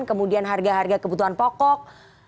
kemudian harga harga kebutuhan pokok